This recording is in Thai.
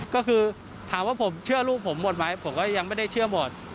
ก็คือถามว่าผมเชื่อลูกผมหมดไหมผมก็ยังไม่ได้เชื่อหมด